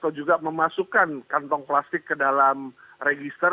dan juga memasukkan kantong plastik ke dalam register